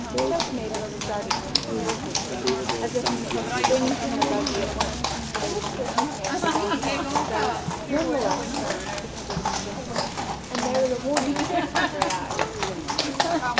Ches Maybin started convulsively, as if he meant to spring from the buggy at once, but Miss Calista's hand was on his arm in a grasp none the less firm because of its gentleness, and there was a warning gleam in her grey eyes.